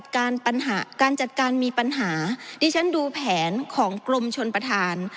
การจัดการมีปัญหาที่ฉันดูแผนของกรมชนประธาน